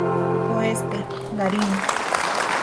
Oeste: Garín.